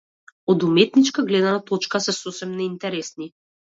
Од уметничка гледна точка се сосем неинтересни.